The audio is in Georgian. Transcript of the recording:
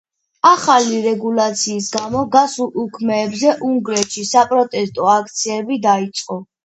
ახალი რეგულაციის გამო, გასულ უქმეებზე უნგრეთში საპროტესტო აქციები დაიწყო.